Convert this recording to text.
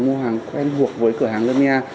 khách hàng mua hàng quen thuộc với cửa hàng lâm nga